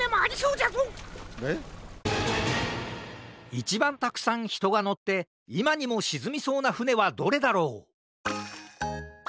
いちばんたくさんひとがのっていまにもしずみそうなふねはどれだろう？